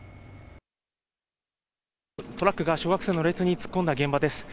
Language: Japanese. トラックが小学生の列に突っ込んだ現場です。